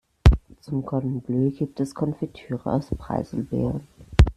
Zum Cordon Bleu gibt es Konfitüre aus Preiselbeeren.